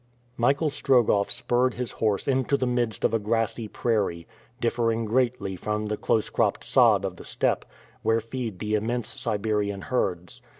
Michael Strogoff spurred his horse into the midst of a grassy prairie, differing greatly from the close cropped sod of the steppe, where feed the immense Siberian herds.